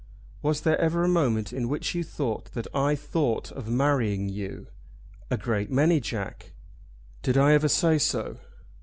Was there ever a moment in which you thought that I thought of marrying you?" "A great many, Jack." "Did I ever say so?"